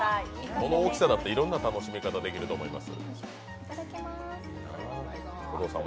この大きさだといろんな楽しみ方できると思います。